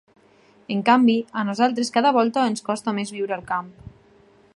En canvi, a nosaltres cada volta ens costa més viure del camp.